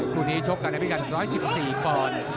คู่นี้ชกกันในพี่กัน๑๑๔กร